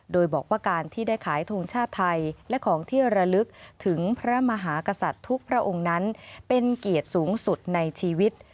โดยบอกว่าการที่ได้ขายทงชาติไทยและของที่ระลึกถึงพระมหากษัตริย์ทุกพระองค์นั้นเป็นเกียรติสูงสุดในชีวิต